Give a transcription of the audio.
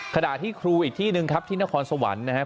ขณะที่ครูอีกที่หนึ่งครับที่นครสวรรค์นะครับ